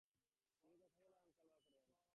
তিনি তা সফলভাবে মোকাবেলা করেন।